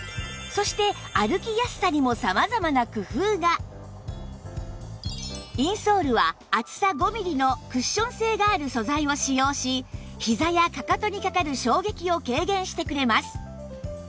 そしてインソールは厚さ５ミリのクッション性がある素材を使用し膝やかかとにかかる衝撃を軽減してくれます